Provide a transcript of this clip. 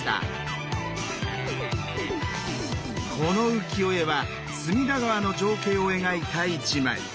この浮世絵は隅田川の情景を描いた一枚。